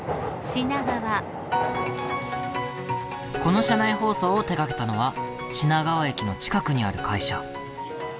この車内放送を手がけたのは品川駅の近くにある会社。